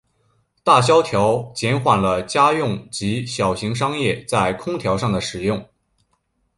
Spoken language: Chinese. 大萧条减缓了家用及小型商业在空调上的使用。